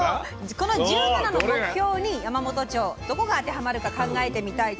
この１７の目標に山元町どこが当てはまるか考えてみたいと思います。